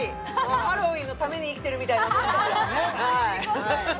ハロウィーンのために生きてるみたいなもんだから。